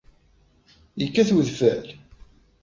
Yekkat udfel?